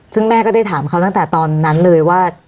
ซึ่งแม่ก็ได้ถามเขาตั้งแต่ตอนนั้นเลยว่า